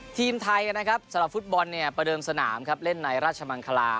ทีมไทยสำหรับฟุตบอลประเดิมสนามในราชมังคลา